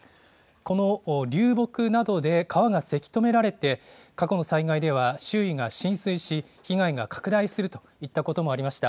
この流木などで川がせき止められて、過去の災害では周囲が浸水し、被害が拡大するといったこともありました。